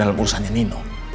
dalam urusannya nino